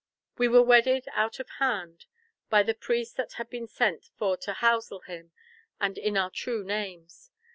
We were wedded out of hand by the priest that had been sent for to housel him, and in our true names.